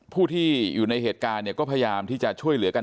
ผู้ที่อยู่ในเหตุการณ์เนี่ยก็พยายามที่จะช่วยเหลือกัน